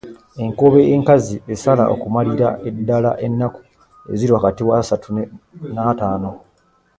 Enkobe enkazi esala okumalira ddala ennaku eziri wakati wa asatu n’ataano.